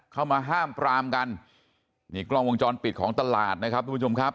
เข้ามาห้ามปรามกันนี่กล้องวงจรปิดของตลาดนะครับทุกผู้ชมครับ